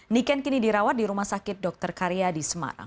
niken kini dirawat di rumah sakit dr karya di semarang